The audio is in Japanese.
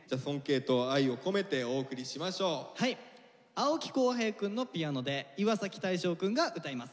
青木滉平くんのピアノで岩大昇くんが歌います。